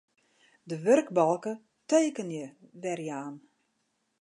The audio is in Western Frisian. De wurkbalke Tekenje werjaan.